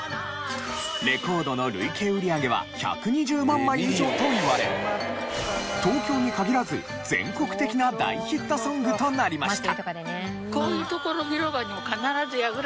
レコードの累計売上は１２０万枚以上といわれ東京に限らず全国的な大ヒットソングとなりました。